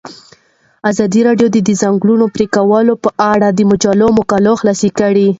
ازادي راډیو د د ځنګلونو پرېکول په اړه د مجلو مقالو خلاصه کړې.